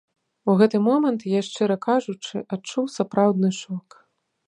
У гэты момант я, шчыра кажучы, адчуў сапраўдны шок.